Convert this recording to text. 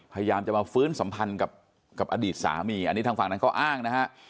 พยายามจะมาฟื้นสัมพันธ์กับอดีตสามีอันนี้ทางฝั่งนั้นเขาอ้างนะฮะ